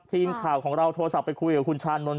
ทีมข่าวของเราโทรศัพท์ไปคุยกับคุณชานนท